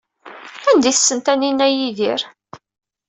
Anda ay tessen Taninna Yidir?